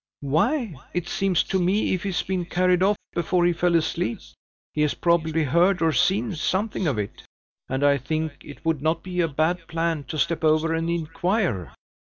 "Why, it seems to me, if she's been carried off before he fell asleep, he has probably heard or seen something of it; and I think it would not be a bad plan to step over and inquire."